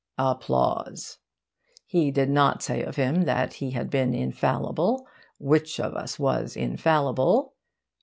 He did not say of him that he had been infallible. Which of us was infallible?